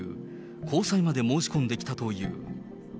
交際まで申し込んできたという。